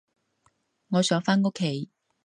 我想返屋企